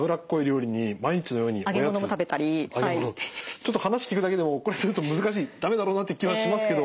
ちょっと話聞くだけでもこれすると難しい駄目だろうなって気はしますけど。